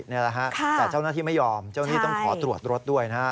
แต่เจ้าหน้าที่ไม่ยอมเจ้านี่ต้องขอตรวจรถด้วย